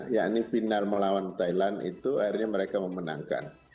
yakni final melawan thailand itu akhirnya mereka memenangkan